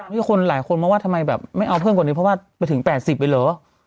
มีคนหลายคนมองว่าทำไมแบบไม่เอาเพิ่มกว่านี้เพราะว่าไปถึง๘๐เลยเหรอ